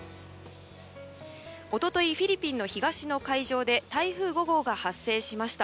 一昨日フィリピンの東の海上で台風５号が発生しました。